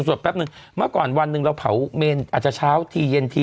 แป๊บนึงเมื่อก่อนวันหนึ่งเราเผาเมนอาจจะเช้าทีเย็นที